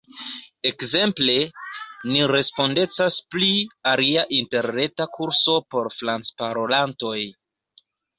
Ekzemple, ni respondecas pri alia interreta kurso por francparolantoj.